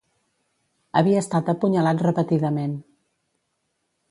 Havia estat apunyalat repetidament.